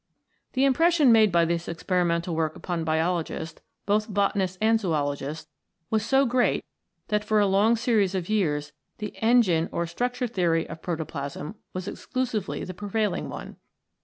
The impression made by this experimental work upon biologists, both botanists and zoologists, was so great that for a long series of years the Engine or Structure Theory of protoplasm was exclusively the prevailing one.